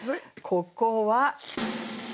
ここは。